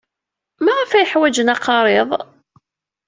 Maɣef ay ḥwajen aqariḍ?